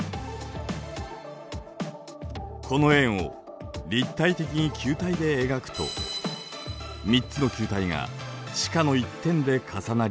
この円を立体的に球体で描くと３つの球体が地下の一点で重なります。